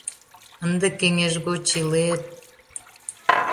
Ынде кеҥеж гоч илет...